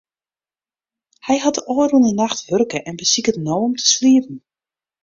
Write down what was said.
Hy hat de ôfrûne nacht wurke en besiket no om te sliepen.